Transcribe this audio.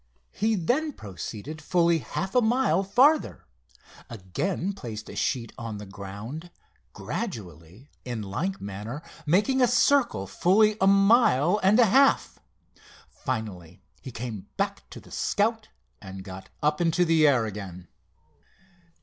He then proceeded fully half a mile farther, again placed a sheet on the ground, gradually, in like manner, making a circle of fully a mile and a half. Finally he came back to the Scout, and got up into the air again.